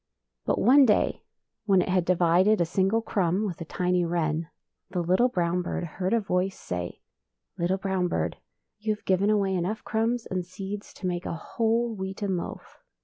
But one day, when it had divided a single cmmb with a tiny wren, the little brown bird heard a voice say, " Little brown bird, you have given away enough crumbs and seeds to make a whole wheaten loaf.